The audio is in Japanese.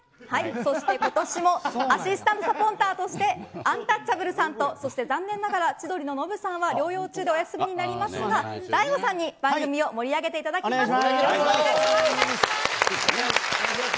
そして今年もアシスタントサポーターとしてアンタッチャブルさんとそして残念ながら千鳥のノブさんは療養中でおやすみになりますが大悟さんに番組を盛り上げていただきます。